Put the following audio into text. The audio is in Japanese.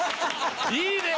いいね！